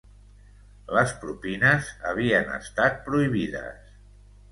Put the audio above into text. Les propines havien estat prohibides